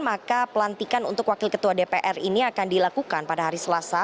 maka pelantikan untuk wakil ketua dpr ini akan dilakukan pada hari selasa